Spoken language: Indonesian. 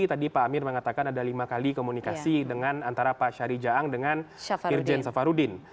tadi pak amir mengatakan ada lima kali komunikasi dengan antara pak syari jaang dengan irjen safarudin